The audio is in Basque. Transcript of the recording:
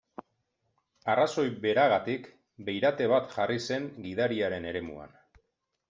Arrazoi beragatik, beirate bat jarri zen gidariaren eremuan.